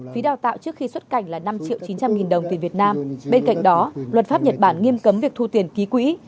phí đào tạo trước khi xuất cảnh là năm triệu chín trăm linh nghìn đồng tiền việt nam bên cạnh đó luật pháp nhật bản nghiêm cấm việc thu tiền ký quỹ